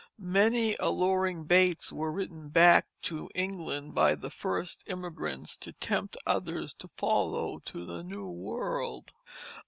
Many alluring baits were written back to England by the first emigrants to tempt others to follow to the new world.